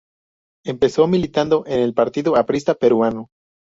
Empezó militando en el Partido Aprista Peruano.